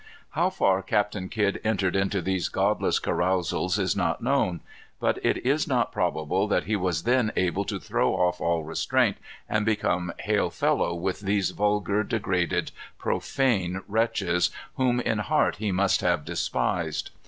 How far Captain Kidd entered into these godless carousals is not known. But it is not probable that he was then able to throw off all restraint, and become hail fellow with these vulgar, degraded, profane wretches, whom in heart he must have despised.